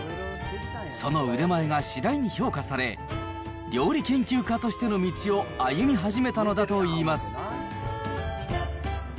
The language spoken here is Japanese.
その腕前が次第に評価され、料理研究家としての道を歩み始めたのだといいます。